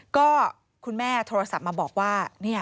ก็คุณแม่โทรศัพท์มาบอกว่า